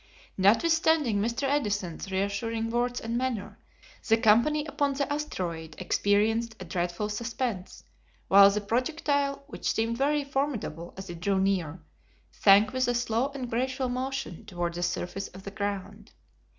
Notwithstanding Mr. Edison's reassuring words and manner, the company upon the asteroid experienced a dreadful suspense while the projectile which seemed very formidable as it drew near, sank with a slow and graceful motion toward the surface of the ground.